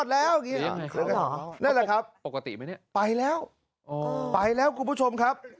นั่นแหละครับปกติไหมเนี่ยไปแล้วไปแล้วคุณผู้ชมครับ